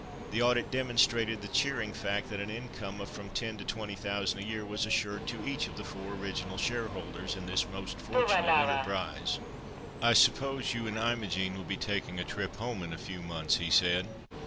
The audit demonstrated the cheering fact that an income of from ten to twenty thousand a year was assured to each of the four original shareholders in this most fortunate enterprise. "I suppose you and Imogen will be taking a trip home in a few months?" he said.